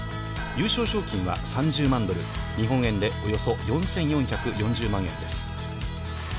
優勝賞金は３０万ドル、日本円でおよそ４４４０万円です。